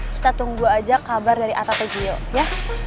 kita tunggu aja kabar dari atta atau gio ya